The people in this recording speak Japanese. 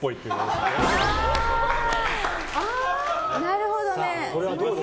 なるほどね。